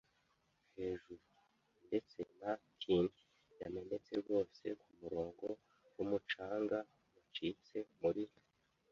hejuru. Ndetse na tint yamenetse rwose kumurongo wumucanga wacitse muri